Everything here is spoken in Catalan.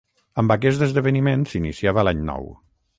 Amb aquest esdeveniment s'iniciava l'any nou.